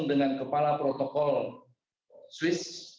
dengan kepala protokol swiss